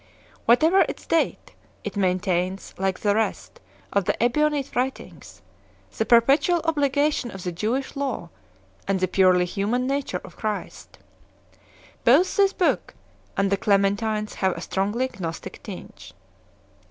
Whatever its date, it maintains, like the rest of the Ebionite writings, the perpetual obligation of the Jewish law and the purely human nature of Christ 1 . Both this book and the Cle mentines have a strongly Gnostic tinge.